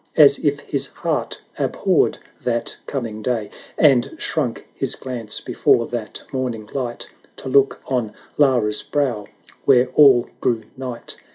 As if his heart abhorred that coming day. And shrunk his glance before that morning light, To look on Lara's brow — where all grew night.